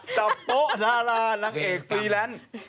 กับโป๊ะดารานางเอกฟรีแลนซ์